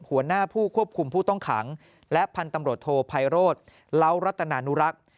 หัวหน้าผู้ควบคุมผู้ต้องขังและพันธุ์ตำรวจโทไพโรธเล้ารัตนานุรักษ์